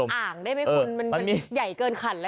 เรียกว่าอ่างได้ไหมคุณมันมีมันมีใหญ่เกินขันแล้วเนี่ย